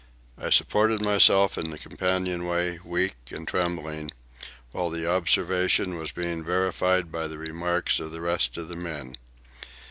I supported myself in the companion way, weak and trembling, while the observation was being verified by the remarks of the rest of the men.